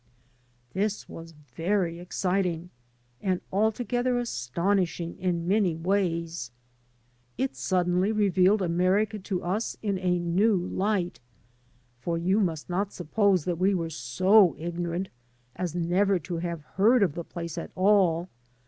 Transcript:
This wa3 very exciting and altogether astonishing in many ways. It suddenly revealed America to us in a new light; for you must not suppose that we were so ignorant as never to have heard of the place at all.